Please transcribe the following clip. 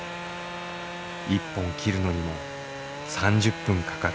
１本切るのにも３０分かかる。